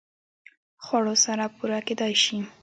خوړو سره پوره کېدای شي